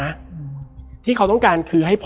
แล้วสักครั้งหนึ่งเขารู้สึกอึดอัดที่หน้าอก